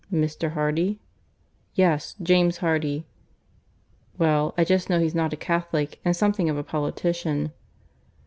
"Mr. Hardy?" "Yes James Hardy." "Well I just know he's not a Catholic; and something of a politician."